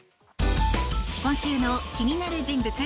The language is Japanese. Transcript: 今週の気になる人物